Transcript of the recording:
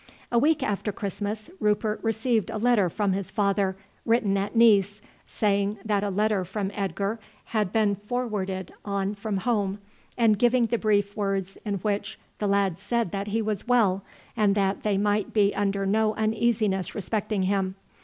A week after Christmas Rupert received a letter from his father, written at Nice, saying that a letter from Edgar had been forwarded on from home, and giving the brief words in which the lad said that he was well, and that they might be under no uneasiness respecting him.